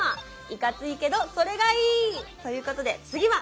いかついけどそれがいい！ということで次は。